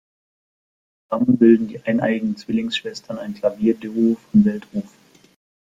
Zusammen bilden die eineiigen Zwillingsschwestern ein Klavierduo von Weltruf.